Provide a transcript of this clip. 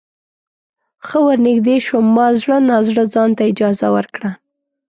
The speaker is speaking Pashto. ښه ورنږدې شوم ما زړه نا زړه ځانته اجازه ورکړه.